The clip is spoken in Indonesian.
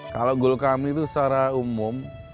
kalau goal kami itu secara umum